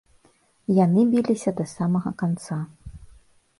Яны біліся да самага канца.